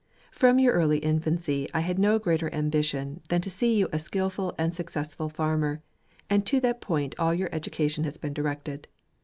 From your early infancy I had no greater ambition than to see you a skilful and suc cessful farmer ; and to that point all your education has been directed.